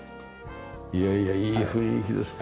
いやいやいい雰囲気です。